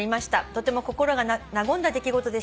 「とても心が和んだ出来事でした」